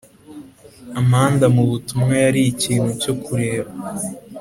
amanda mub utumwa yari ikintu cyo kureba